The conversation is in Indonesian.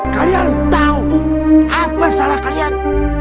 kalian tahu apa salah kalian